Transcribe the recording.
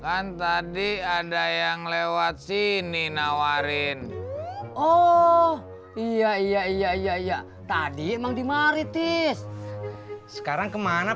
kan tadi ada yang lewat sini nawarin oh iya iya iya iya tadi emang dimaritis sekarang kemana